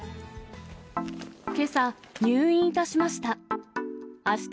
けさ入院いたしました。